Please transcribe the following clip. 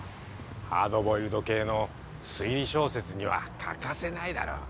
ハードボイルド系の推理小説には欠かせないだろ。